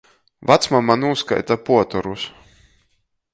Vacmama nūskaita puoterus.